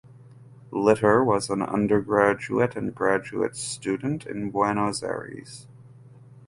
Litter was an undergraduate and graduate student in Buenos Aires.